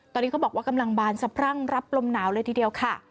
ตอนนี้เขาบอกว่ากำลังบานสะพรั่งรับลมหนาวเลยทีเดียวค่ะ